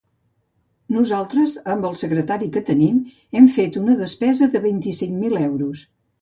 Nosaltres, amb el secretari que tenim hem fet una despesa de vint-i-cinc mil euros.